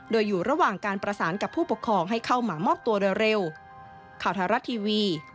โดยอยู่ระหว่างการประสานกับผู้ปกครองให้เข้ามามอบตัวโดยเร็ว